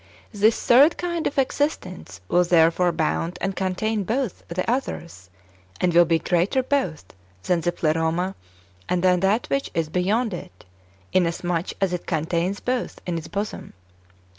This third kind of existence will therefore bound and contain both the others, and will be greater both than the Pleroma, and than that which is beyond it, inasmuch as it contains both in its bosom.